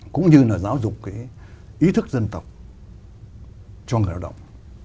cũng như là giáo dục cái ý thức dân tộc cho người lao động